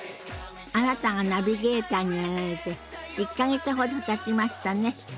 あなたがナビゲーターになられて１か月ほどたちましたね。